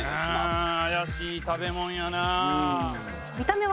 怪しい食べ物やな。